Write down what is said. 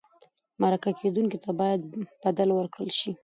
مرکه کېدونکي ته باید بدل ورکړل شي.